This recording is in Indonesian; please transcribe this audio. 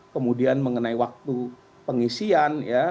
kemudian mengenai waktu pengisian